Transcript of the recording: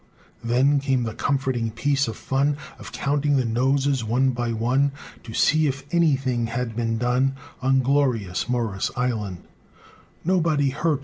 VII Then came the comforting piece of fun Of counting the noses one by one, To see if anything had been done On glorious Morris' Island: "Nobody hurt!"